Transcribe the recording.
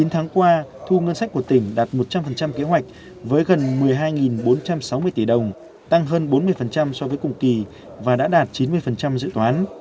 chín tháng qua thu ngân sách của tỉnh đạt một trăm linh kế hoạch với gần một mươi hai bốn trăm sáu mươi tỷ đồng tăng hơn bốn mươi so với cùng kỳ và đã đạt chín mươi dự toán